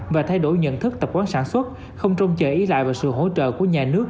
và thay đổi nhận thức tập quán sản xuất không trông chờ ý lại vào sự hỗ trợ của nhà nước